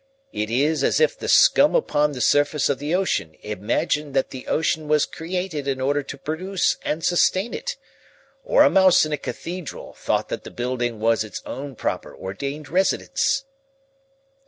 It is as if the scum upon the surface of the ocean imagined that the ocean was created in order to produce and sustain it, or a mouse in a cathedral thought that the building was its own proper ordained residence."